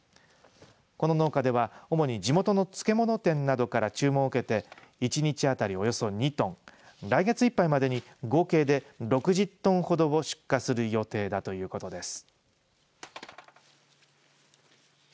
この農家では主に地元の漬物店などから注文を受けて１日当たりおよそ２トン来月いっぱいまでに合計で６０トンほどを出荷する予定だということです。